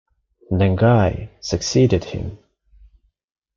Then Gye succeeded him".